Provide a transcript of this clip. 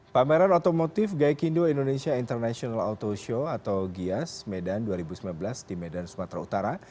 pameran otomotif gaikindo indonesia international auto show atau gias medan dua ribu sembilan belas di medan sumatera utara